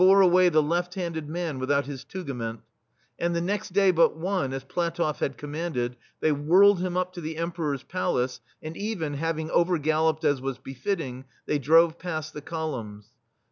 THE STEEL FLEA away the left handed man without his tugament ; and the next day but one, as PlatofF had commanded, they whirled him up to the Emperor's palace, and even, having over galloped as was be fitting, they drove past the columns.